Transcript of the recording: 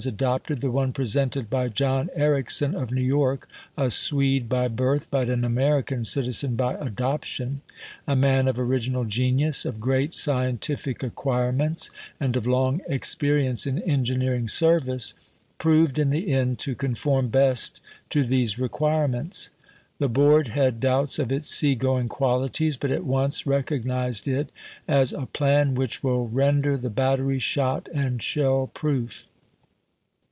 adopted the one presented by John Ericsson of New York, a Swede by birth but an American citizen by adoption, a man of original genius, of great scientific acquirements, and of long experi ence in engineering service, proved in the end to conform best to these requirements. The board had doubts of its sea going qualities, but at once recog nized it as " a plan which will render the battery shot and shell proof."